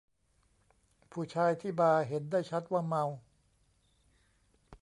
ผู้ชายที่บาร์เห็นได้ชัดว่าเมา